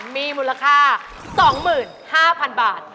มีมูลค่า๒๕๐๐๐บาท